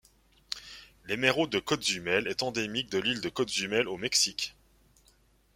L'Émeraude de Cozumel est endémique de l'île de Cozumel au Mexique.